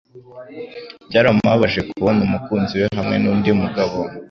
Byaramubabaje kubona umukunzi we hamwe nundi mugabo